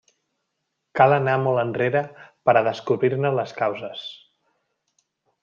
Cal anar molt enrere per a descobrir-ne les causes.